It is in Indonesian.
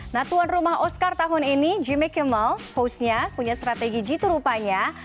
nah tuan rumah oscar tahun ini jimmy kimmal hostnya punya strategi jitu rupanya